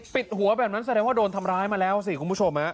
ปิดหัวแบบนั้นแสดงว่าโดนทำร้ายมาแล้วสิคุณผู้ชม